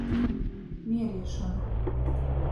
Miereišona.